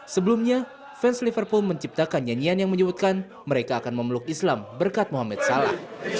sebelumnya fans liverpool menciptakan nyanyian yang menyebutkan mereka akan memeluk islam berkat mohamed salah